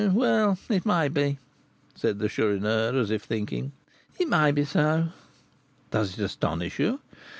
"Well, it may be," said the Chourineur, as if thinking, "it may be so." "Does it astonish you?"